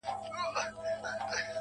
غوږ سه راته.